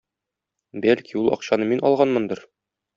Бәлки ул акчаны мин алганмындыр?..